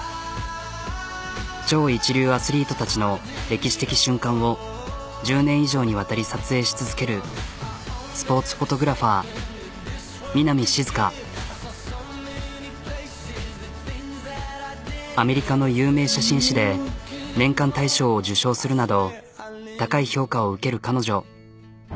超一流アスリートたちの歴史的瞬間を１０年以上にわたり撮影し続けるアメリカの有名写真誌で年間大賞を受賞するなど高い評価を受ける彼女。